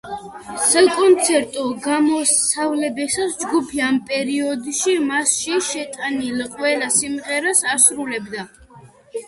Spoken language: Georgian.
საკონცერტო გამოსვლებისას ჯგუფი ამ პერიოდში მასში შეტანილ ყველა სიმღერას ასრულებდა.